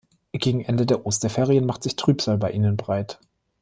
Gegen Ende der Osterferien macht sich Trübsal bei ihnen breit.